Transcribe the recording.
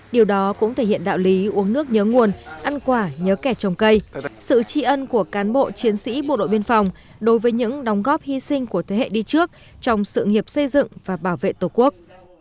điều đó cũng thể hiện đạo lý uống nước nhớ nguồn ăn quả nhớ kẻ trồng cây sự tri ân của cán bộ chiến sĩ bộ đội biên phòng đối với những đóng góp hy sinh của thế hệ đi trước trong sự nghiệp xây dựng và bảo vệ tổ quốc